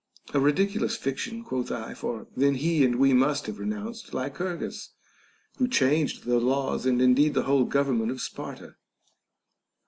A ridicu lous fiction, quoth I, for then he and we must have re nounced Lycurgus, who changed the laws and indeed the whole government of Sparta.